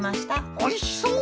おいしそう！